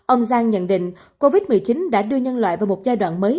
ông giang nhận định covid một mươi chín đã đưa nhân loại vào một giai đoạn mới